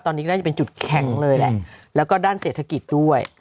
ตอนนี้ก็น่าจะเป็นจุดแข็งเลยแหละแล้วก็ด้านเศรษฐกิจด้วย